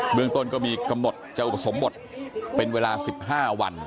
เบื้องต้นก็มีกะมดจะผสมหมดเป็นเวลา๑๕วัน